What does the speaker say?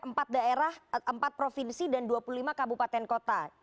empat daerah empat provinsi dan dua puluh lima kabupaten kota